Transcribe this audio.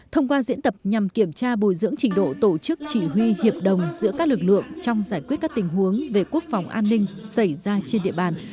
thông qua diễn tập nhằm kiểm tra bồi dưỡng trình độ tổ chức chỉ huy hiệp đồng giữa các lực lượng trong giải quyết các tình huống về quốc phòng an ninh xảy ra trên địa bàn